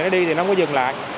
nó đi thì nó không dừng lại